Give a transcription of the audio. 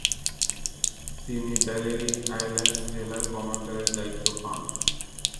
তিনি Balearic islands জেলায় কমান্ডারের দায়িত্ব পান।